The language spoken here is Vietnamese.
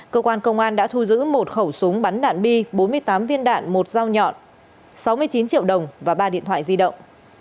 cơ quan công an đã thu giữ một khẩu súng bắn đạn bi bốn mươi tám viên đạn một dao nhọn sáu mươi chín triệu đồng và ba điện thoại di động